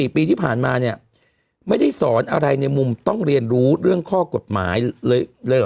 ปีที่ผ่านมาเนี่ยไม่ได้สอนอะไรในมุมต้องเรียนรู้เรื่องข้อกฎหมายเลยเหรอ